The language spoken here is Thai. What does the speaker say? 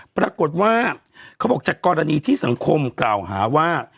ปรากฏว่าเขาบอกจากกรณีที่สังคมกล่าวหาว่า